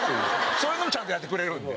そういうのもちゃんとやってくれるんで。